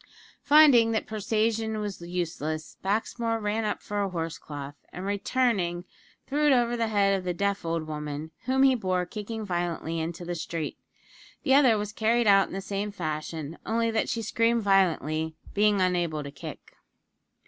Finding that persuasion was useless, Baxmore ran up for a horse cloth, and, returning, threw it over the head of the deaf old woman, whom he bore, kicking violently, into the street. The other was carried out in the same fashion only that she screamed violently, being unable to kick.